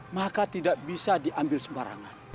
maka tidak bisa diambil sembarangan